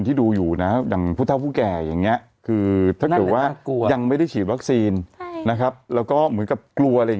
มีละกองไหนไม่ตรวจบ้างตรวจปุ่นตัวตลอดละกองแต่ละกองอ่ะ